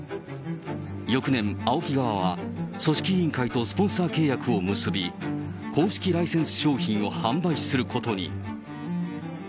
翌年、ＡＯＫＩ側は、組織委員会とスポンサー契約を結び、公式ライセンス商品を販売することに。